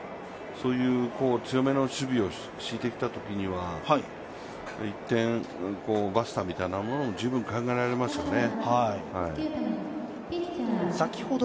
強めの守備を強いてきたときには１点、バスターみたいなものも考えられますね。